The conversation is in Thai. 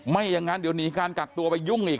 ไม่อย่างนั้นเดี๋ยวหนีการกักตัวไปยุ่งอีก